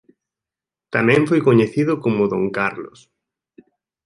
Tamén foi coñecido como Don Carlos.